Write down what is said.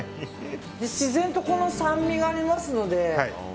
自然とこの酸味がありますので。